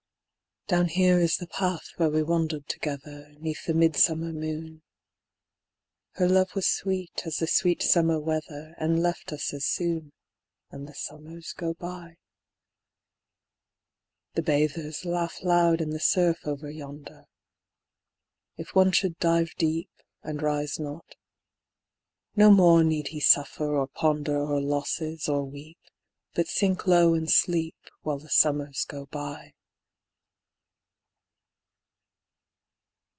Down here is the path where we wandered together, 'Neath the midsummer moon. Her love was sweet as the sweet summer weather, And left us as soon, And the summers go by. The bathers laugh loud in the surf over yonder. If one should dive deep, And rise not no more need he suffer or ponder O'er losses, or weep, But sink low and sleep While the summers go by.